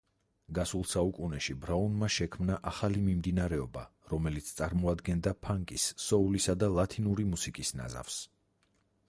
გასულ საუკუნეში ბრაუნმა შექმნა ახალი მიმდინარეობა, რომელიც წარმოადგენდა ფანკის, სოულისა და ლათინური მუსიკის ნაზავს.